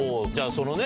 そのね